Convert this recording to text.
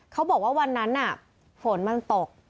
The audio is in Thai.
เขาบอกว่าวันนั้นฝนมันตก